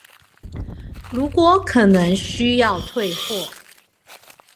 如果可能需要退貨